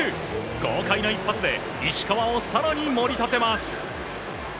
豪快な一発で石川を更に盛り立てます。